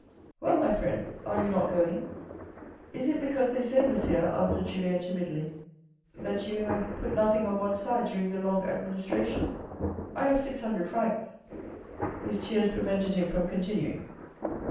" Well, my friend, are you not going ?"" Is it because they say, monsieur," answered Julian timidly, " that you have put nothing on one side during your long administration. I have six hundred francs." His tears prevented him from continuing.